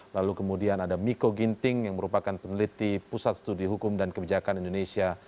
lalu kemudian ada miko ginting yang merupakan peneliti pusat studi hukum dan kebijakan indonesia